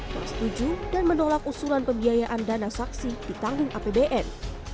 bersetuju dan menolak usulan pembiayaan dana saksi ditanggung apbn